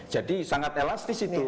jadi sangat elastis itu